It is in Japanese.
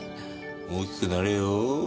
大きくなれよ。